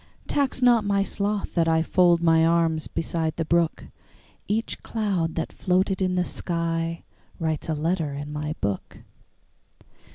Tax not my sloth that IFold my arms beside the brook; Each cloud that floated in the skyWrites a letter in my book.